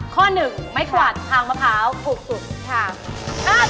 ข้อ๑ไม้กวาดทางมะพร้าวถูกสุดค่ะ